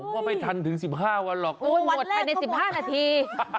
ผมว่าไม่ทันถึง๑๕วันหรอกโอ้ยวันแรกเขาบอกโอ้ยหมดไปใน๑๕นาที